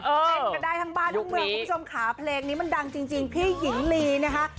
เป็นกันได้ทั้งบ้านทั้งเมืองคุณผู้ชมค่ะเพลงนี้มันดังจริงพี่หญิงลีนะคะ